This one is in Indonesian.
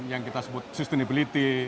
yang kita sebut sustainability